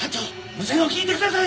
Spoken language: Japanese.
無線を聞いてください！